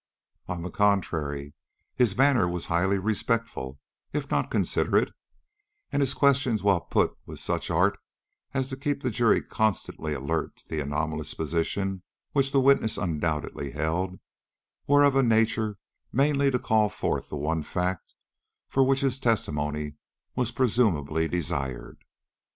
On the contrary, his manner was highly respectful, if not considerate, and his questions while put with such art as to keep the jury constantly alert to the anomalous position which the witness undoubtedly held, were of a nature mainly to call forth the one fact for which his testimony was presumably desired.